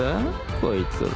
こいつら。